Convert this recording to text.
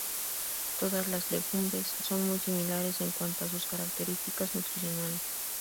Todas las legumbres son muy similares en cuanto a sus características nutricionales.